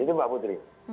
begitu mbak putri